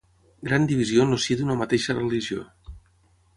Gran divisió en el si d'una mateixa religió.